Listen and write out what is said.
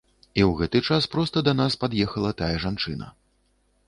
І ў гэты час проста да нас пад'ехала тая жанчына.